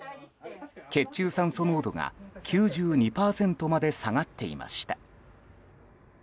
血中酸素濃度が９２％まで下がっていました。